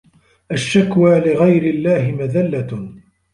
الشكوى لغير الله مذلة